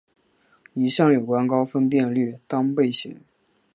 一项有关高分辨率单倍型。